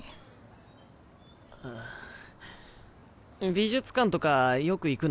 美術館とかよく行くの？